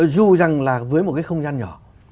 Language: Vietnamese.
dù rằng là với một cái không gian nhỏ